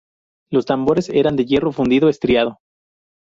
Los tambores eran de hierro fundido estriado.